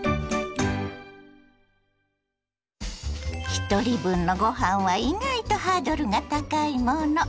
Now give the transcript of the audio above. ひとり分のごはんは意外とハードルが高いもの。